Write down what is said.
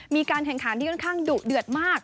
มีการแข่งขันที่ค่อนข้างดุเดือดมาก